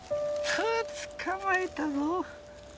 あつかまえたぞ。